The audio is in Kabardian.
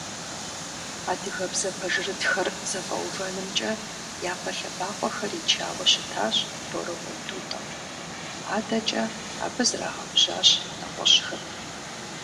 Адыгэбзэ пэжырытхэр зэфӏэувэнымкӏэ япэ лъэбакъуэхэр ичауэ щытащ Борыкъуей Тӏутӏэ, адэкӏэ абы зрагъэужьащ нэгъуэщӀхэми.